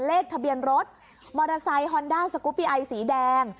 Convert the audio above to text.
เลขทะเบียนรถมอเตอร์ไซค์ฮอนด้าสกุปปี้ไอสีแดง